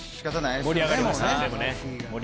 盛り上がりました。